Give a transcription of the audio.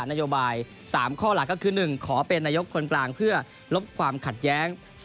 นโยบาย๓ข้อหลักก็คือ๑ขอเป็นนายกคนกลางเพื่อลบความขัดแย้ง